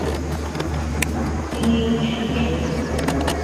丁忧去职。